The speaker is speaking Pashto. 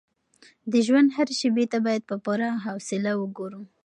د ژوند هرې شېبې ته باید په پوره حوصله وګورو.